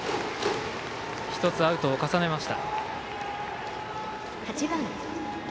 １つアウトを重ねました。